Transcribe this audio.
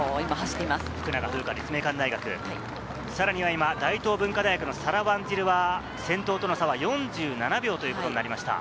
今、大東文化大学のサラ・ワンジルは先頭との差は４７秒ということになりました。